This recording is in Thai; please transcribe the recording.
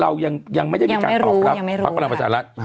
เรายังไม่ได้มีการตอบรับพักพลังประชารัฐ